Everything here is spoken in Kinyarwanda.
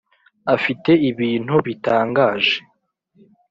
Afite ibintu bitangaje